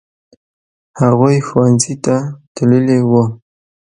هغوی ښوونځي ته تللي وو.